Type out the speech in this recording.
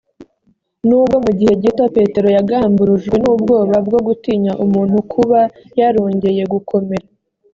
n ubwo mu gihe gito petero yagamburujwe n ubwoba bwo gutinya umuntu kuba yarongeye gukomera